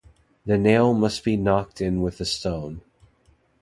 The nail must be knocked in with a stone.